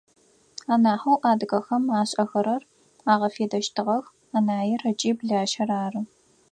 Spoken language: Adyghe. Анахьэу адыгэхэм ашӏэхэрэр, агъэфедэщтыгъэхэр анаир ыкӏи блащэр ары.